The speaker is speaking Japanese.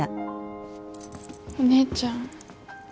お姉ちゃん。